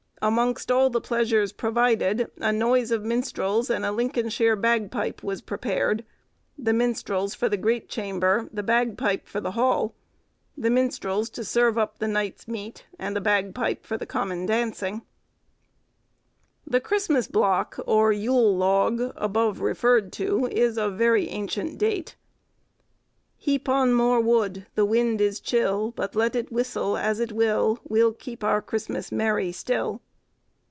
Amongst all the pleasures provided, a noyse of minstrells and a Lincolnshire bagpipe was prepared; the minstrells for the great chamber, the bagpipe for the hall; the minstrells to serve up the knight's meate, and the bagpipe for the common dauncing." The Christmas block or Yule log, above referred to, is of very ancient date. "Heap on more wood—the wind is chill; But let it whistle as it will, We'll keep our Christmas merry still."